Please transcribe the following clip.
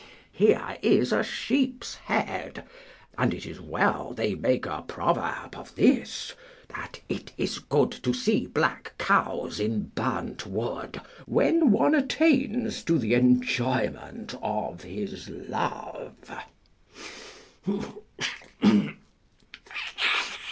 Here is a sheep's head, and it is well they make a proverb of this, that it is good to see black cows in burnt wood when one attains to the enjoyment of his love.